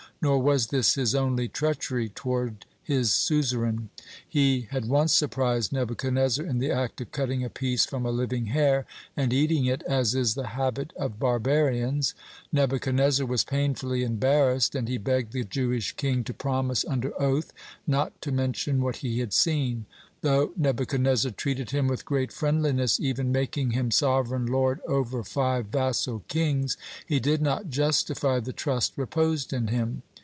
Nor was this his only treachery toward his suzerain. He had once surprised Nebuchadnezzar in the act of cutting a piece from a living hare and eating it, as is the habit of barbarians. Nebuchadnezzar was painfully embarrassed, and he begged the Jewish king to promise under oath not to mention what he had seen. Though Nebuchadnezzar treated him with great friendliness, even making him sovereign lord over five vassal kings, he did not justify the trust reposed in him.